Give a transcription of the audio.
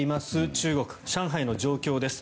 中国の上海の状況です。